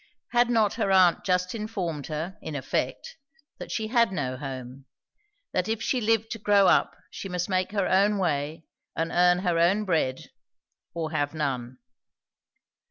Had not her aunt just informed her, in effect, that she had no home; that if she lived to grow up she must make her own way and earn her own bread, or have none.